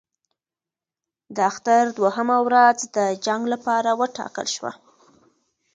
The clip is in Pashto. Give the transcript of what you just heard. د اختر دوهمه ورځ د جنګ لپاره وټاکل شوه.